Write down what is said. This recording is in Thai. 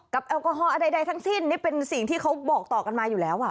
แอลกอฮอล์ใดทั้งสิ้นนี่เป็นสิ่งที่เขาบอกต่อกันมาอยู่แล้วอ่ะ